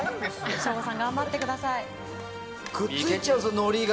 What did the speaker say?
省吾さん、頑張ってください。